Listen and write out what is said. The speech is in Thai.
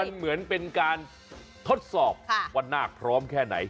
มันเหมือนเป็นการทดสอบว่านาคพร้อมแค่ไหน